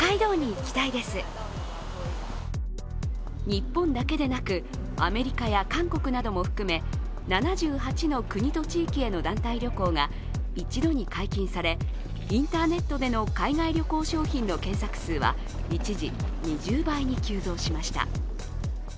日本だけでなく、アメリカや韓国なども含め７８の国と地域への団体旅行が一度に解禁されインターネットでの海外旅行商品の検索数は一時、２０倍に急増しました。